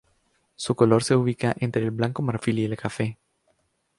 Su color se ubica entre el blanco marfil y el cafe.